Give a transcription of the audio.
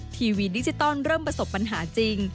ทีวีดิจิตอลเริ่มประสบปัญหาจริง